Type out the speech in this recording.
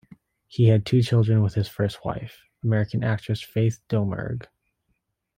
He had two children with his first wife, American actress Faith Domergue.